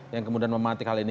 yang kemudian mematik hal ini